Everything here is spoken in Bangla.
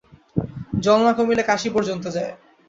জল না কমিলে কাশী পর্যন্ত যায়।